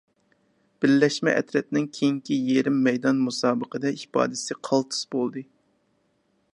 بىرلەشمە ئەترەتنىڭ كېيىنكى يېرىم مەيدان مۇسابىقىدە ئىپادىسى قالتىس بولدى.